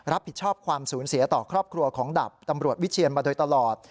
รับผิดชอบความสูญเสียต่อครอบครัวของดาบตำรวจวิเชียนมาโดยตลอด